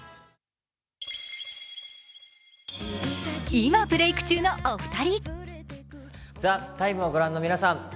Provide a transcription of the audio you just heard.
今ブレイク中のお二人。